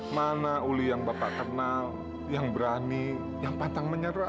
mana uli yang bapak kenal yang berani yang pantang menyerah